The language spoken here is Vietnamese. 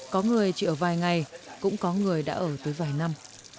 có người chỉ ở vài ngày cũng có người đã ở tới vài năm